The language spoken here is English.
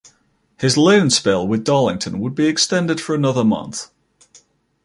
His loan spell with Darlington would be extended for another month.